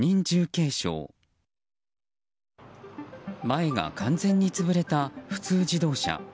前が完全に潰れた普通自動車。